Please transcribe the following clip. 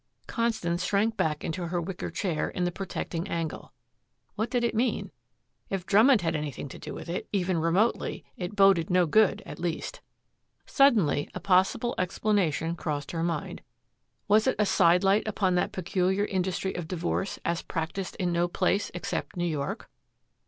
Constance shrank back into her wicker chair in the protecting angle. What did it mean? If Drummond had anything to do with it, even remotely, it boded no good, at least. Suddenly a possible explanation crossed her mind. Was it a side light upon that peculiar industry of divorce as practiced in no place except New York?